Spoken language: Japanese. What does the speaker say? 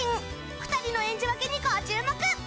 ２人の演じ分けにご注目！